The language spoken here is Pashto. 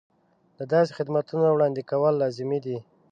د داسې خدمتونو وړاندې کول لازمي دي.